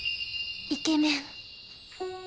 イケメン！